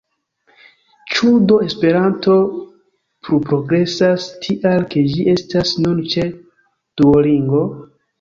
Ĉu do Esperanto pluprogresas, tial ke ĝi estas nun ĉe Duolingo?